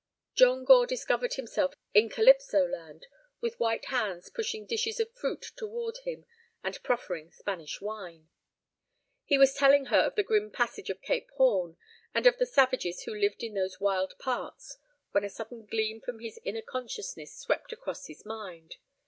John Gore discovered himself in Calypso land, with white hands pushing dishes of fruit toward him and proffering Spanish wine. He was telling her of the grim passage of Cape Horn, and of the savages who lived in those wild parts, when a sudden gleam from his inner consciousness swept across his mind.